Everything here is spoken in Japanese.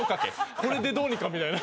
これでどうにかみたいな。